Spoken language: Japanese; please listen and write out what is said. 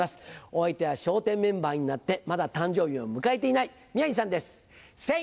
お相手は『笑点』メンバーになってまだ誕生日を迎えていない宮治さんです。